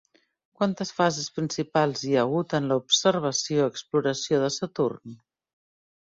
Quantes fases principals hi ha hagut en l'observació i exploració de Saturn?